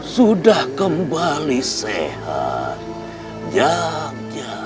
sudah kembali sehat